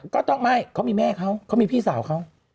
ก็ต้องไม่เขามีแม่เขาเขามีพี่สาวเขา